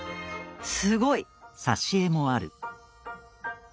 すごい！